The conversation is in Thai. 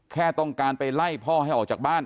แค่ต้องการไปไล่พ่อให้ออกจากบ้าน